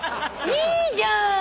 いいじゃん！